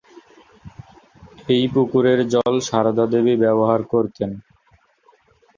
এই পুকুরের জল সারদা দেবী ব্যবহার করতেন।